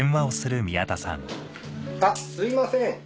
あっすいません。